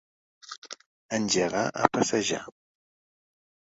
Engegar a passejar.